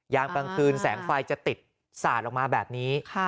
กลางคืนแสงไฟจะติดสาดออกมาแบบนี้